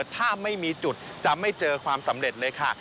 ถ้าไม่มีจุดจะไม่เจอความสำเร็จเลยค่ะ